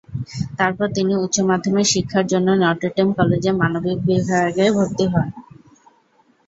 তারপর তিনি উচ্চ মাধ্যমিক শিক্ষার জন্য নটর ডেম কলেজে মানবিক বিভাগে ভর্তি হন।